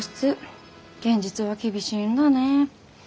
現実は厳しいんだね。